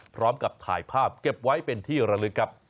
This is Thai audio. พร้อมกับถ่ายภาพเก็บไว้เป็นที่ระลึกครับ